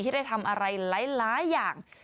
ได้ทำอะไรหลายอย่าง